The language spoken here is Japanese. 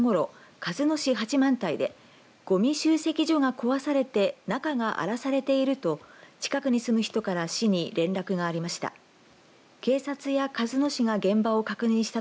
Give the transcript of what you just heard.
鹿角市八幡平でごみ集積場が壊されて中が荒らされていると近くに住む人から市に連絡がありました。